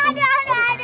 aduh aduh aduh